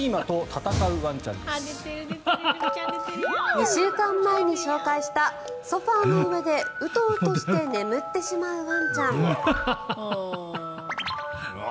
２週間前に紹介したソファの上でウトウトして眠ってしまうワンちゃん。